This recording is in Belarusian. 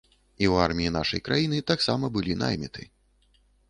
І ў арміі нашай краіны таксама былі найміты.